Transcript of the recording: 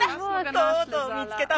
とうとう見つけたわね。